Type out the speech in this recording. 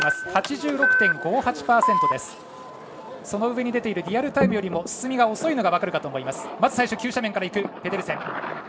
その上に出ているリアルタイムより進みが遅いのが分かるかと思います。